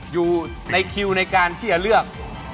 อยู่ในคิวคือระบายในการที่จะเลือก